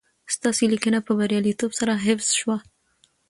ستاسي لېنکه په برياليتوب سره حفظ شوه